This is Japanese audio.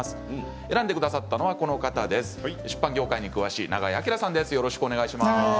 選んでくださったのは出版業界に詳しい永江朗さんです。